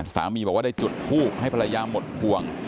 สามีบอกว่าได้จุดทูบให้ภรรยาหมดห่วง